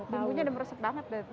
bumbunya udah meresap banget